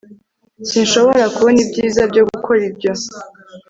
Sinshobora kubona ibyiza byo gukora ibyo